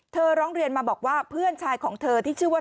ร้องเรียนมาบอกว่าเพื่อนชายของเธอที่ชื่อว่า